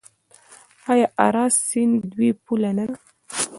آیا اراس سیند د دوی پوله نه ده؟